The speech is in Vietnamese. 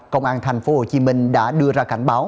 công an thành phố hồ chí minh đã đưa ra cảnh báo